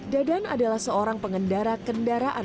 dadan adalah seorang pengendara kendaraan